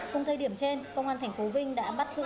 hôm thời điểm trên công an thành phố vinh đã bắt giữ